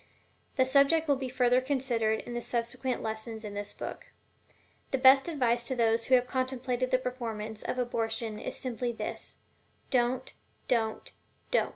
The subject will be further considered in the subsequent lessons in this book. The best advice to those who have contemplated the performance of abortion is simply